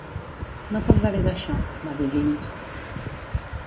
"No parlaré d'això," va dir Lynch.